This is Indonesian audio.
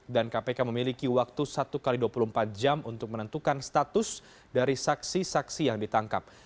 dan kpk memiliki waktu satu x dua puluh empat jam untuk menentukan status dari saksi saksi yang ditangkap